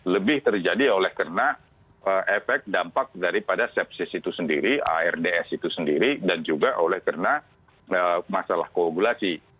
lebih terjadi oleh karena efek dampak daripada sepsis itu sendiri ards itu sendiri dan juga oleh karena masalah kogulasi